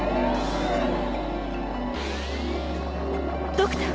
ドクター！